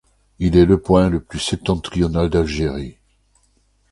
Il est le point le plus septentrional d'Algérie.